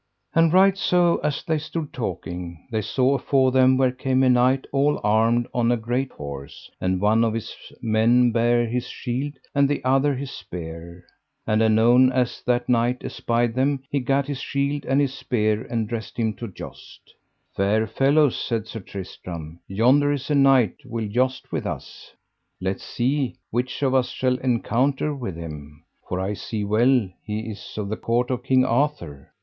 And right so as they stood talking they saw afore them where came a knight all armed, on a great horse, and one of his men bare his shield, and the other his spear. And anon as that knight espied them he gat his shield and his spear and dressed him to joust. Fair fellows, said Sir Tristram, yonder is a knight will joust with us, let see which of us shall encounter with him, for I see well he is of the court of King Arthur.